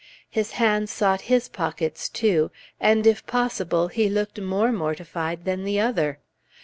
His hands sought his pockets, too, and, if possible, he looked more mortified than the other.